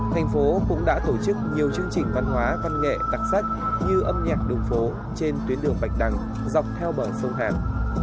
thành phố cũng đã tổ chức nhiều chương trình văn hóa văn nghệ đặc sắc như âm nhạc đường phố trên tuyến đường bạch đằng dọc theo bờ sông hàn